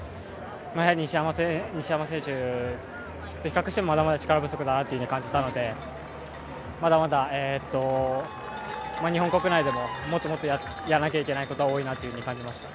やはり西山選手と比較してもまだまだ力不足だなと感じたのでまだまだ日本国内でももっともっとやらなきゃいけないことは多いなというふうに感じました。